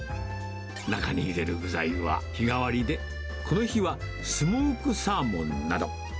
中に入れる具材は日替わりで、この日はスモークサーモンなど。